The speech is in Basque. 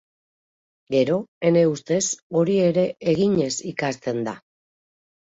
Gero, ene ustez, hori ere, eginez ikasten da.